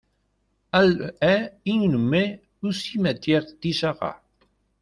Elle est inhumée au cimetière de Sharra.